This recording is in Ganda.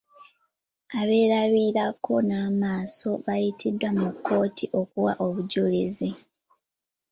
Abeerabirako n'amaaso baayitiddwa mu kkooti okuwa obujulizi.